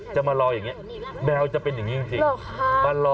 จะมารอแบบนี้แบบเป็นอย่างนี้เลย